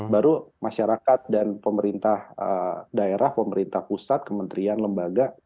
baru masyarakat dan pemerintah daerah pemerintah pusat kementerian lembaga